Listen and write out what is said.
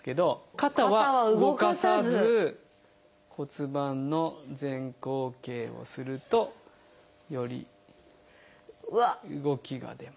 肩は動かさず骨盤の前後傾をするとより動きが出ます。